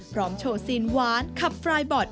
พร้อมโชว์ซีนหวานขับฟรายบอร์ด